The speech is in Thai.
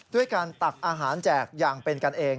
ด้วยการตักอาหารแจกอย่างเป็นกันเอง